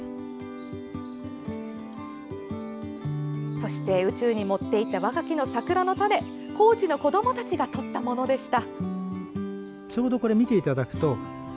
そして宇宙に持っていったワカキノサクラの種は高知の子どもたちがとったものでした。